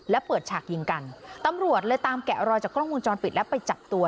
และเปิดฉากยิงกันตำรวจเลยตามแกะรอยจากกล้องวงจรปิดแล้วไปจับตัว